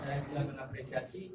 secampur dengan pemain pemain maha muda